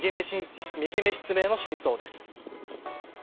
右目失明の真相です。